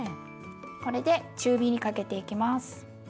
これで中火にかけていきます。